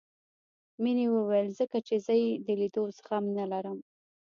مينې وويل ځکه چې زه يې د ليدو زغم نه لرم.